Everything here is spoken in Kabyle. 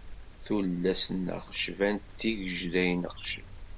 Tullas-nneɣ cbant tigejda ineqcen.